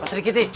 pak sri kiti